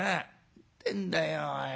「ってんだよおい。